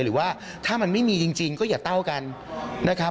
หรือว่าถ้ามันไม่มีจริงก็อย่าเต้ากันนะครับ